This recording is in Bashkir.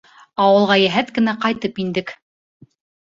Ауылға йәһәт кенә ҡайтып индек.